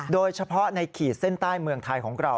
โดยเฉพาะในขีดเส้นใต้เมืองไทยของเรา